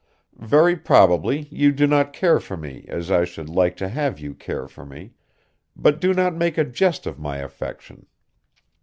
Very probably you do not care for me as I should like to have you care for me, but do not make a jest of my affection.